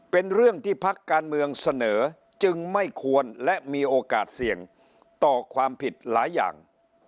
เป็นเรื่องที่พักการเมืองเสนอจึงไม่ควรและมีโอกาสเสี่ยงต่อความผิดหลายอย่าง